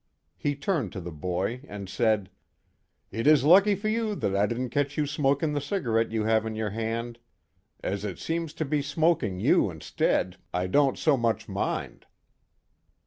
He turned to the boy and said: "It is lucky for you that I didn't catch you smoking the cigarette you have in your hand. As it seems to be smoking you instead, I don't so much mind."